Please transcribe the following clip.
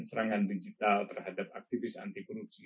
serangan digital terhadap aktivis anti punuki